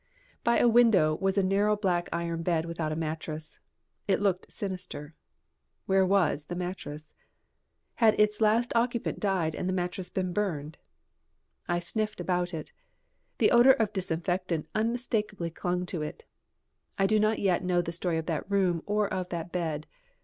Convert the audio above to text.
By a window was a narrow black iron bed without a mattress. It looked sinister. Where was the mattress? Had its last occupant died and the mattress been burned? I sniffed about it; the odour of disinfectant unmistakably clung to it. I do not yet know the story of that room or of that bed.